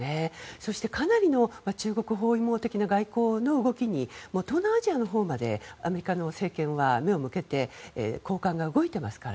そしてかなり中国包囲網的な外交の動きに東南アジアのほうまでアメリカの政権は目を向けて高官が動いてますから。